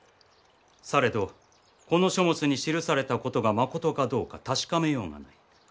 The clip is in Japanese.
されどこの書物に記されたことがまことかどうか確かめようがない。